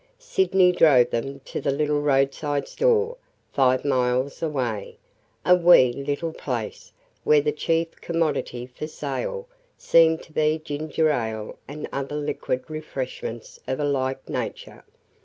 Sydney drove them to the little roadside store, five miles away – a wee little place where the chief commodity for sale seemed to be ginger ale and other liquid refreshment of a like nature.